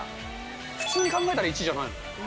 普通に考えたら１じゃないの？